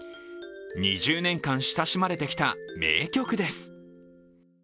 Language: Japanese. ２０年間親しまれてきた名曲です。